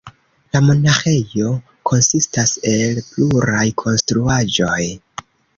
La monaĥejo konsistas el pluraj konstruaĵoj.